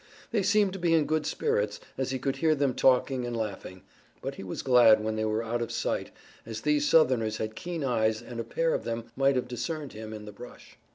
They seemed to be in good spirits, as he could hear them talking and laughing, but he was glad when they were out of sight as these Southerners had keen eyes and a pair of them might have discerned him in the brush.